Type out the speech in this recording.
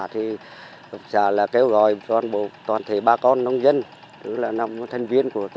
tập xã kêu gọi toàn thể ba con nông dân tức là năm thành viên của tập xã